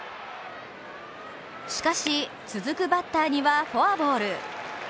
しかし、続くバッターにはフォアボール。